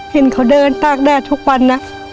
เห็นเขาเดินตากแดดทุกวันนะ